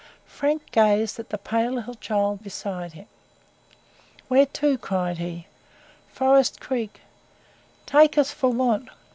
Frank glanced at the pale little child beside him. "Where to?" cried he. "Forest Creek." "Take us for what?"